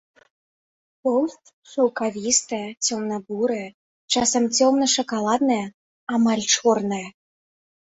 Поўсць шаўкавістая, цёмна-бурая, часам цёмна-шакаладная, амаль чорная.